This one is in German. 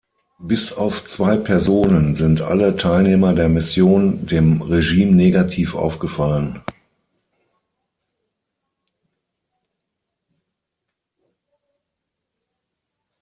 Bis auf zwei Personen sind alle Teilnehmer der Mission dem Regime negativ aufgefallen.